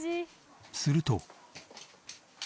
すると。